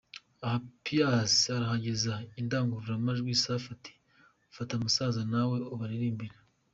Aha Pius arahereza indangururamajwi Safi ati fata musaza na we ubaririmbire.